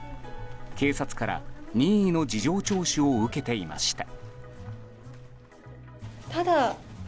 警察から任意の事情聴取を受けていました。